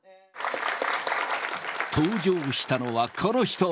登場したのはこの人。